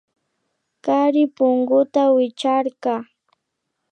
Kari punguta wichkarka